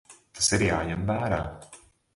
Tas ir jāņem vērā.